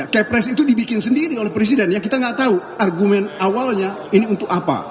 kepres itu dibikin sendiri oleh presiden ya kita nggak tahu argumen awalnya ini untuk apa